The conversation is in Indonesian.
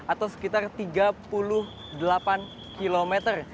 atau sekitar tiga puluh delapan kilometer